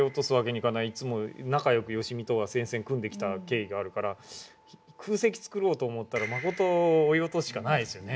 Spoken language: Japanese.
いつも仲よく良相とは戦線を組んできた経緯があるから空席作ろうと思ったら信を追い落とすしかないですよね